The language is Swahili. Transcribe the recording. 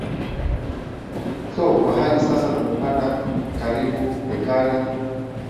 so kwa hadi sasa tumepanda karibu ekari